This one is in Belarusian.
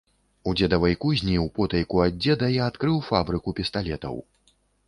У дзедавай кузні, употайку ад дзеда, я адкрыў фабрыку пісталетаў.